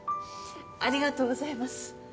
ありがとうございます。